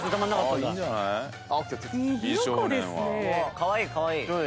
かわいいかわいい。